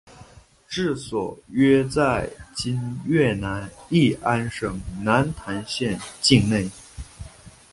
治所约在今越南乂安省南坛县境内。